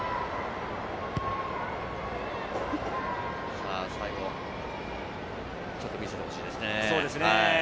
さぁ最後、ちょっと見せてほしいですね。